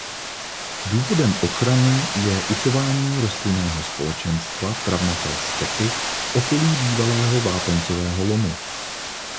Důvodem ochrany je uchování rostlinného společenstva travnaté stepi v okolí bývalého vápencového lomu.